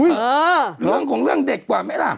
เรื่องของเรื่องเด็กกว่าไหมล่ะ